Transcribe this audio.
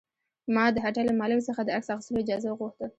ما د هټۍ له مالک څخه د عکس اخیستلو اجازه وغوښته.